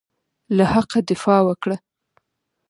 له حقه دفاع وکړه.